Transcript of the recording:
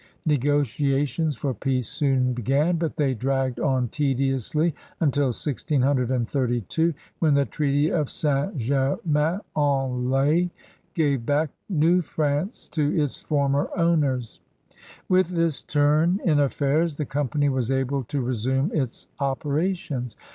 Negoti ations for peace soon began, but they dragged on tediously until 1632, when the Treaty of St. Germain en Laye gave back New France to its former owners. With this turn in affairs the Company was able to resume its operations.